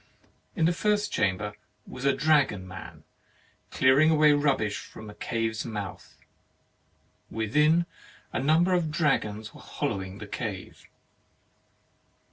In the first chamber was a dragon man, clearing away the rubbish from a cave's mouth; within, a number of dragons were hollowing the cave.